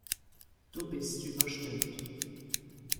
Du bist überstimmt.